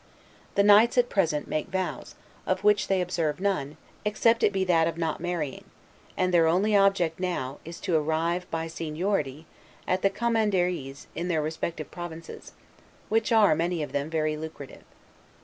The knights, at present, make vows, of which they observe none, except it be that of not marrying; and their only object now is, to arrive, by seniority, at the Commanderies in their respective provinces; which are, many of them, very lucrative.